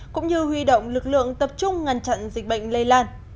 cũng như huy động lực lượng tập trung ngăn chặn dịch bệnh lây lan